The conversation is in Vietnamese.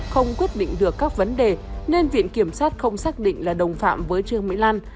không quyết định được các vấn đề nên viện kiểm sát không xác định là đồng phạm với trương mỹ lan